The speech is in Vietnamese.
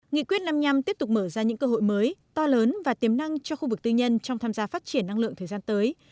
nghị quyết năm mươi năm tiếp tục mở ra những cơ hội mới to lớn và tiềm năng cho khu vực tư nhân trong tham gia phát triển năng lượng thời gian tới